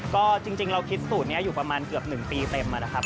ก็จริงเราคิดสูตรนี้อยู่ประมาณเกือบ๑ปีเต็มนะครับ